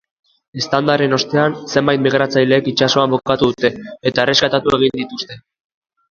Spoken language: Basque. Eztandaren ostean, zenbait migratzailek itsasoan bukatu dute, eta erreskatatu egin dituzte.